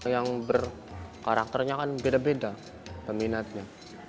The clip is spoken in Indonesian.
yang berkarakternya kan beda beda peminatnya